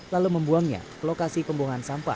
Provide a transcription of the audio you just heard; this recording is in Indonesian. lalu membuangnya ke lokasi pembuangan sampah